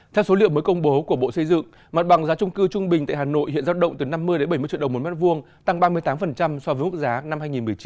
theo số liệu mới công bố của bộ xây dựng mặt bằng giá trung cư trung bình tại hà nội hiện giao động từ năm mươi bảy mươi triệu đồng một mét vuông tăng ba mươi tám so với mức giá năm hai nghìn một mươi chín